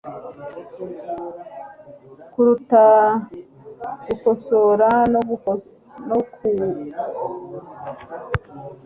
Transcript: kuruta gukosora no kugorora irari ryamaze kwinjizwa mu mubiri